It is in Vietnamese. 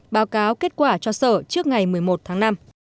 báo cáo kết quả cho sở trước ngày một mươi một tháng năm